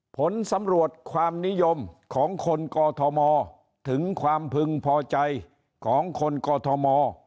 ผลสำรวจความนิยมของคนกอทมถึงความพึงพอใจของคนกอทม